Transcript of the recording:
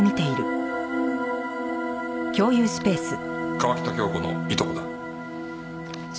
川喜多京子のいとこだ。